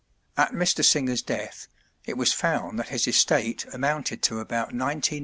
At Mr. Singer's death it was found that his estate amounted to about $19,000,000.